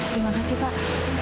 terima kasih pak